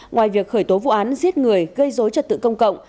ngoài việc khởi tố vụ án giết người gây dối trật tự công cộng